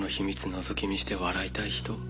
のぞき見して笑いたい人？